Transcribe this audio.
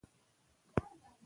هغه لویه قرباني ورکوي.